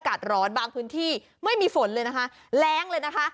ร้อนบางพื้นที่ไม่มีฝนเลยนะคะแรงเลยนะคะ